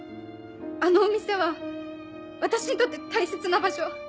あのお店は私にとって大切な場所。